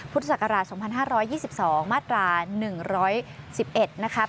พุทธศักราช๒๕๒๒มาตรา๑๑๑นะครับ